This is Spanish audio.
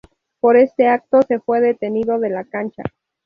Por este acto se fue detenido de la cancha.